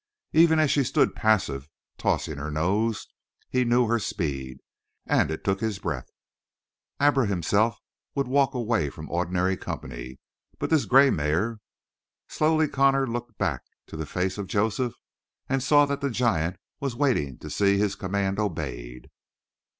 Even as she stood passive, tossing her nose, he knew her speed, and it took his breath. Abra himself would walk away from ordinary company, but this gray mare slowly Connor looked back to the face of Joseph and saw that the giant was waiting to see his command obeyed.